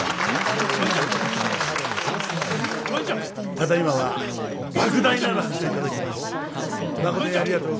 ただいまはばく大なる拍手を頂きましてまことにありがとうございます。